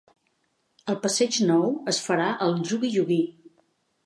Al passeig Nou es farà el "jugui-jugui".